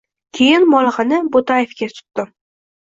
Keyin bolg‘ani Bo‘taevga tutdim.